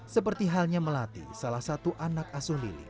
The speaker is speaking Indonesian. seperti halnya melati salah satu anak asuh lili